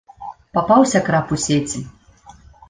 Папаўся краб у сеці!